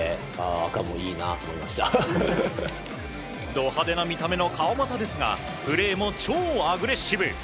ド派手な見た目の川真田ですがプレーも超アグレッシブ。